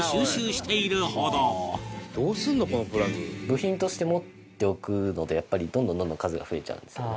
部品として持っておくのでやっぱりどんどんどんどん数が増えちゃうんですよね。